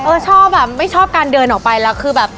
ชอบแบบไม่ชอบการเดินออกไปแล้วคือแบบ